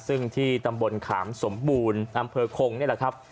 ซึ่งที่ตำบลขามสมบูรณ์อำเภอคงนี่แหละครับ